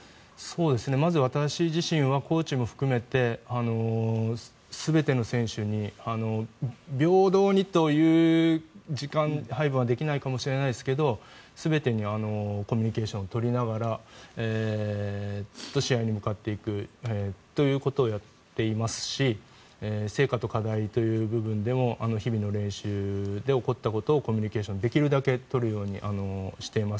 まず私自身はコーチも含めて、全ての選手に平等にという時間配分はできないかもしれないですけど全てにコミュニケーションを取りながらひと試合に向かっていくということをやっていますし成果と課題という部分でも日々の練習で起こったことをコミュニケーションをできるだけ取るようにしています。